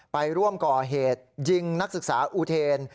ไปร่วมก่อเหตุยิงนักศึกษาอูเทน